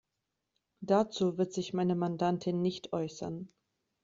Dazu wird sich meine Mandantin nicht äußern.